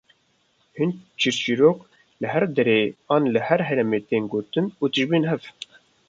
Hinek çîrçîrok li her derê an li her heremê tê gotin û dişibin hev